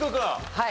はい。